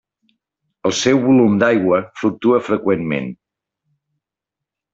El seu volum d'aigua fluctua freqüentment.